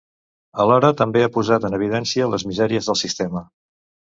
Alhora també ha posat en evidencia les misèries del sistema.